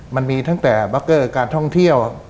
มันมีตั้งแต่บักเกอร์การท่องเที่ยว